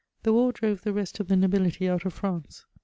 The war drove the rest of the nobility out of France.